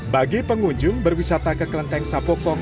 bagi pengunjung berwisata ke kelenteng sapokong